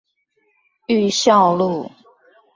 裕孝路